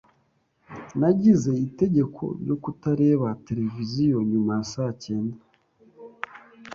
Nagize itegeko ryo kutareba televiziyo nyuma ya saa cyenda.